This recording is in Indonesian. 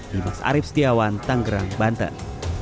dimas arief setiawan tanggerang banten